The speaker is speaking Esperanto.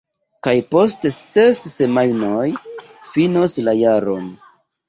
Kaj post ses semajnoj finos la jaron.